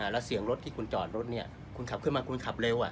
แล้วเสียงรถที่คุณจอดรถคุณขับขึ้นมาคุณขับเร็ว